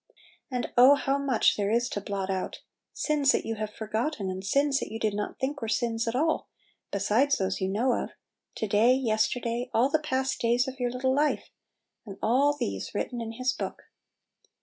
And oh how much there is to blot out! — sins that you have forgotten, and 1 6 Little Pillows. sins that you did not think were sins at all, besides those yon know of — to day, yesterday, all the past days of your little life. And all these written in His book